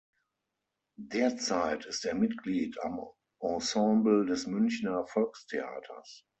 Derzeit ist er Mitglied am Ensemble des Münchner Volkstheaters.